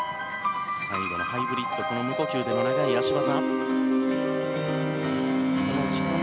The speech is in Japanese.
最後はハイブリッドからの無呼吸での長い脚技。